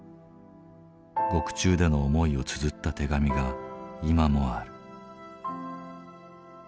獄中での思いをつづった手紙が今もある。